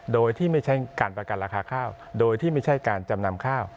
โดยที่ไม่ใช้การประกันราคาข้าวโดยที่ไม่ใช่การจำนำข้าว